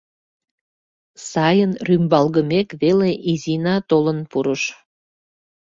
Сайын рӱмбалгымек веле Изина толын пурыш.